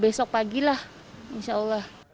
besok pagi lah insya allah